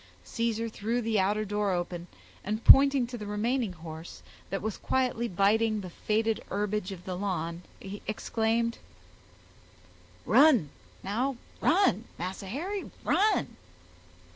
Caesar threw the outer door open, and pointing to the remaining horse, that was quietly biting the faded herbage of the lawn, he exclaimed,— "Run—now—run—Massa Harry, run."